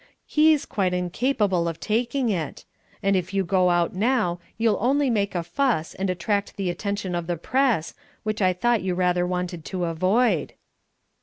"He's quite incapable of taking it. And if you go out now you'll only make a fuss and attract the attention of the Press, which I thought you rather wanted to avoid."